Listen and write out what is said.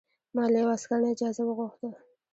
ما له یوه عسکر نه اجازه وغوښته.